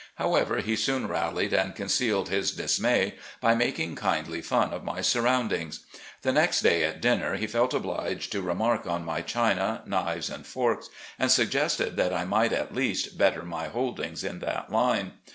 However, he soon rallied and concealed his dismay by making kindly fun of my surroundings. The next day at dinner he felt obliged to remark on my china, knives, and forks, and suggested that I might at least better my holdings in that line.